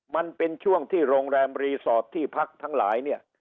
มันเป็นช่วงที่โรงแรมรีสอร์ทที่พักทั้งหลายเนี่ย